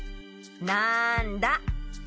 なんだ？